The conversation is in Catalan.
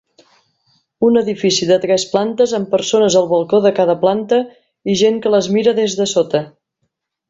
Un edifici de tres plantes amb persones al balcó de cada planta i gent que les mira des de sota.